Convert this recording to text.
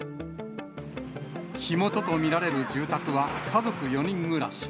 火元とみられる住宅は家族４人暮らし。